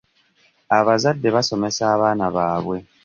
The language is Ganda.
Abazadde basomesa abaana baabwe.